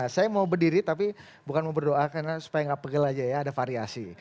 saya mau berdiri tapi bukan mau berdoa karena supaya nggak pegel aja ya ada variasi